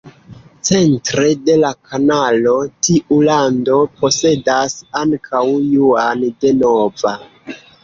Centre de la kanalo, tiu lando posedas ankaŭ Juan de Nova.